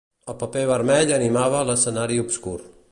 El paper vermell animava l'escenari obscur.